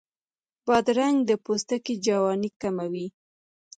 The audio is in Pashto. بادرنګ د پوستکي جوانۍ کموي.